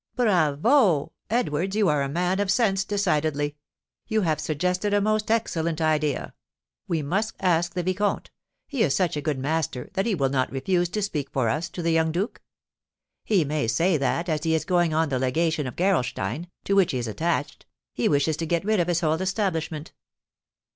"Bravo! Edwards, you are a man of sense decidedly; you have suggested a most excellent idea. We must ask the vicomte; he is such a good master that he will not refuse to speak for us to the young duke. He may say that, as he is going on the legation of Gerolstein, to which he is attached, he wishes to get rid of his whole establishment.